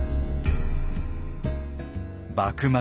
幕末